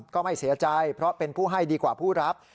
ก็ไม่เสียใจเพราะเป็นผู้ให้ดีกว่าผู้รับ